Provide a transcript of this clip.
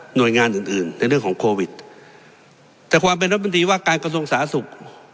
งานอื่นอื่นในเรื่องของโควิดแต่ความเป็นรัฐมนตรีว่าการกระทรวงสาธารณสุข